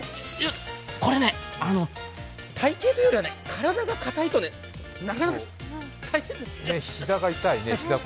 これね、体形というよりは、体がかたいとなかなか大変です。